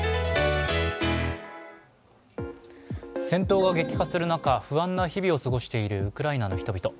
戦闘が激化する中、不安な日々を過ごしているウクライナの人々。